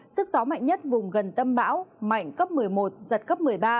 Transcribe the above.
sức gió mạnh nhất vùng gần tâm bão mạnh cấp một mươi một giật cấp một mươi ba